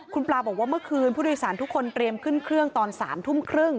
คุณปลาบอกว่าเมื่อคืนผู้โดยสารทุกคนเตรียมขึ้นเครื่องตอน๓ทุ่มครึ่ง